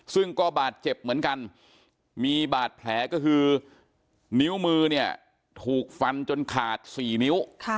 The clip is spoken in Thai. ซึ่งก็บาดเจ็บเหมือนกันมีบาดแผลก็คือนิ้วมือเนี่ยถูกฟันจนขาด๔นิ้ว